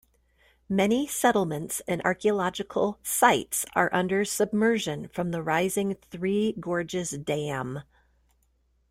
Many settlements and archeological sites are under submersion from the rising Three Gorges Dam.